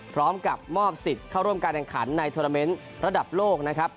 พร้อมกับมอบสิทธิ์เข้าร่วมการแข่งขันในโทรเมนต์ระดับโลกนะครับ